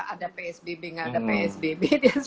ada psbb nggak ada psbb